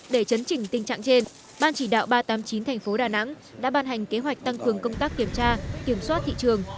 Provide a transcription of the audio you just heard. để chấn chỉnh tình trạng trên ban chỉ đạo ba trăm tám mươi chín tp đà nẵng đã ban hành kế hoạch tăng cường công tác kiểm tra kiểm soát thị trường